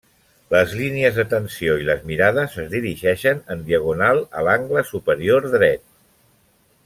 Les línies de tensió i les mirades es dirigeixen en diagonal a l'angle superior dret.